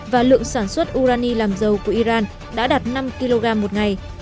và lượng sản xuất urani làm dầu của iran đã đạt năm kg một ngày